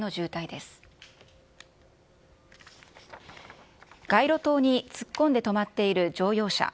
街路灯に突っ込んで止まっている乗用車。